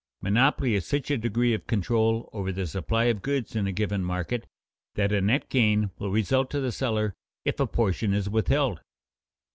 _Monopoly is such a degree of control over the supply of goods in a given market that a net gain will result to the seller if a portion is withheld.